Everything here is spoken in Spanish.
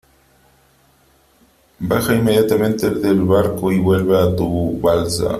baja inmediatamente del barco y vuelve a tu balsa .